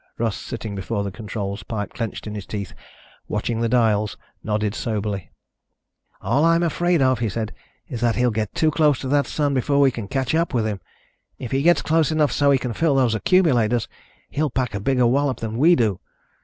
Russ, sitting before the controls, pipe clenched in his teeth, watching the dials, nodded soberly. "All I'm afraid of," he said, "is that he'll get too close to that sun before we catch up with him. If he gets close enough so he can fill those accumulators, he'll pack a bigger wallop than we do.